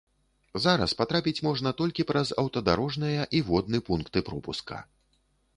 Зараз патрапіць можна толькі праз аўтадарожныя і водны пункты пропуска.